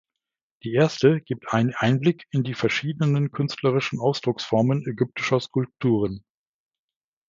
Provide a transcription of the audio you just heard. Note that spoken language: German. Die erste gibt einen Einblick in die verschiedenen künstlerischen Ausdrucksformen ägyptischer Skulpturen.